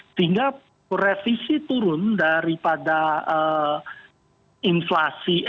sehingga revisi turun daripada inflasi